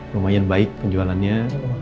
lumayan baik penjualannya